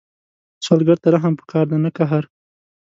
سوالګر ته رحم پکار دی، نه قهر